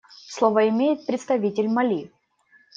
Слово имеет представитель Мали.